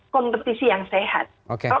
kompetisi yang sehat kalau